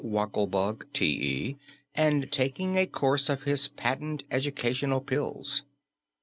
Wogglebug, T.E., and taking a course of his Patent Educational Pills.